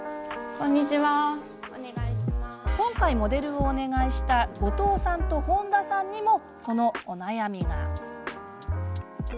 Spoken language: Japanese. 今回、モデルをお願いした後藤さんと本田さんにもその、お悩みが。